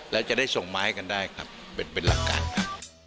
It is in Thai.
แล้วจะได้ส่งไม้กันได้ครับเป็นหลักการครับ